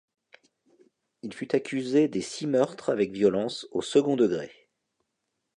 Il fut accusé des six meurtres avec violences au second degré.